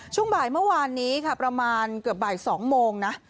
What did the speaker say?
ช่วงบ่ายเมื่อวานนี้ค่ะประมาณเกือบบ่าย๒โมงนะ